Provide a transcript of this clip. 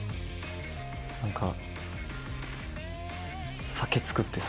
何か。